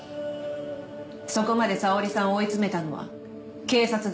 そこまで沙織さんを追い詰めたのは警察です。